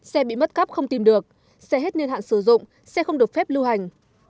xe bị mất cắp không tìm được xe hết niên hạn sử dụng xe không được phép lưu hành